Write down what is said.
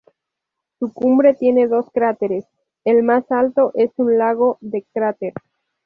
Su cumbre tiene dos cráteres, el más alto es un lago de cráter.